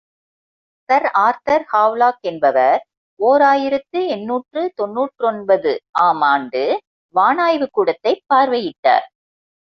Sir Arthur Havelock என்பவர் ஓர் ஆயிரத்து எண்ணூற்று தொன்னூற்றொன்பது ஆம் ஆண்டு வானாய்வுக்கூடத்தைப் பார்வையிட்டார்.